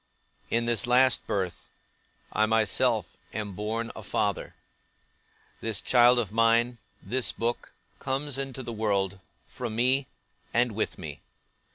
In this last birth, I myself am born a father: this child of mine, this book, comes into the world, from me, and with me.